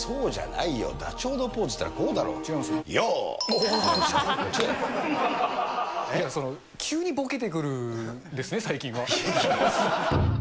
いや急にボケてくるんですね、最近は。